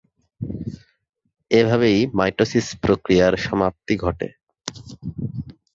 এভাবেই মাইটোসিস প্রক্রিয়ার সমাপ্তি ঘটে।